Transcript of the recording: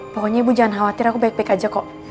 pokoknya ibu jangan khawatir aku baik baik aja kok